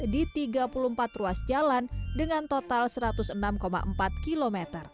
di tiga puluh empat ruas jalan dengan total satu ratus enam empat km